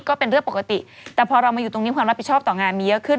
ก็เป็นเรื่องปกติแต่พอเรามาอยู่ตรงนี้ความรับผิดชอบต่องานมีเยอะขึ้น